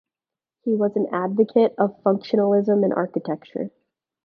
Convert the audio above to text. He was an advocate of functionalism in architecture.